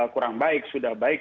kurang baik sudah baik